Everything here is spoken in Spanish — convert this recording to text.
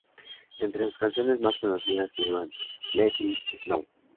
Entre sus canciones más conocidas figuran "Let It Snow!